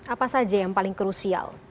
apa saja yang paling krusial